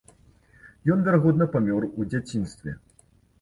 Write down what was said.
Ён верагодна, памёр у дзяцінстве.